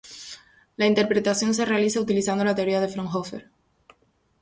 La interpretación se realiza utilizando la teoría de Fraunhofer.